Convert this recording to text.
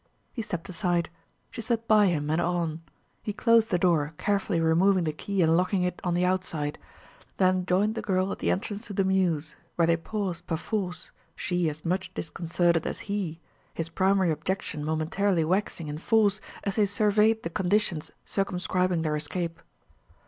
... He stepped aside. She slipped by him and on. He closed the door, carefully removing the key and locking it on the outside; then joined the girl at the entrance to the mews, where they paused perforce, she as much disconcerted as he, his primary objection momentarily waxing in force as they surveyed the conditions circumscribing their escape.